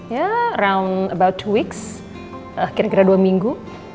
ya kira kira dua minggu